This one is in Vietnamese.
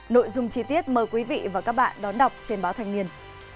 nội dung chi tiết mời quý vị và các bạn đón đọc trên báo thanh niên